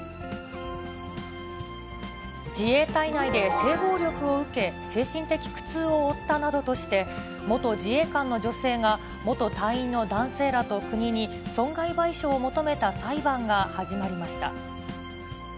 自衛隊内で性暴力を受け、精神的苦痛を負ったなどとして、元自衛官の女性が、元隊員の男性らと国に損害賠償を求めた裁判が始まりました。